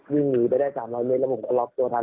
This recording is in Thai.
วิ่งหนีไปได้๓๐๐เมตรแล้วผมก็ล็อกตัวทัน